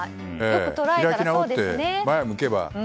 開き直って前を向けば。